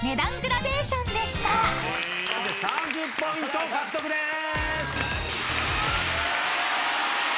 ３０ポイント獲得です。